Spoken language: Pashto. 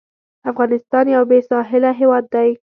افغانستان یو بېساحله هېواد دی.